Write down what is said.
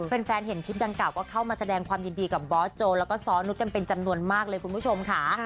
แฟนเห็นคลิปดังกล่าก็เข้ามาแสดงความยินดีกับบอสโจแล้วก็ซ้อนุษกันเป็นจำนวนมากเลยคุณผู้ชมค่ะ